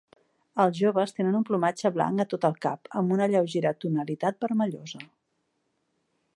Els joves tenen un plomatge blanc a tot el cap, amb una lleugera tonalitat vermellosa.